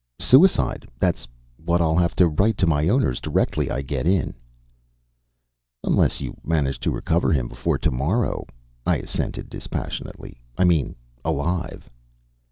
"Suicide! That's what I'll have to write to my owners directly I get in." "Unless you manage to recover him before tomorrow," I assented, dispassionately.... "I mean, alive."